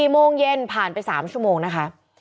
๔โมงเย็นผ่านไป๓ชั่วโมงนะคะ